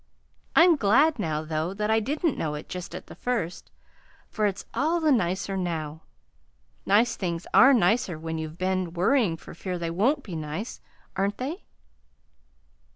I'm glad now, though, that I didn't know it just at the first, for it's all the nicer now. Nice things are nicer when you've been worrying for fear they won't be nice, aren't they?"